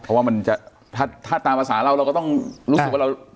เพราะว่ามันจะถ้าตามภาษาเราเราก็ต้องรู้สึกว่าเรา